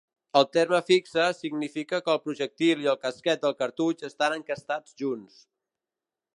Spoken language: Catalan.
El terme "fixe" significa que el projectil i el casquet del cartutx estan encastats junts.